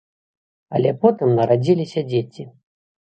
Але потым нарадзіліся дзеці.